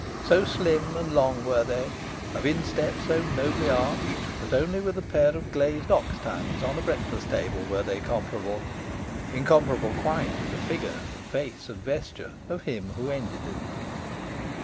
So slim and long were they, of instep so nobly arched, that only with a pair of glazed ox tongues on a breakfast table were they comparable. Incomparable quite, the figure and face and vesture of him who ended in them.